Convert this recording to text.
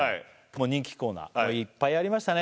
もう人気コーナーいっぱいやりましたね